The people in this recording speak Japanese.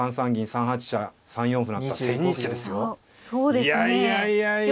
いやいやいやいや。